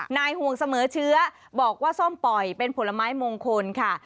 นายห่วงเสมอเชื้อบอกว่าส้มปล่อยเป็นผลไม้มงคลค่ะ